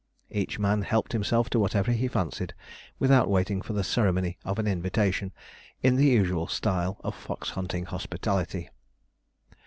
Each man helped himself to whatever he fancied, without waiting for the ceremony of an invitation, in the usual style of fox hunting hospitality.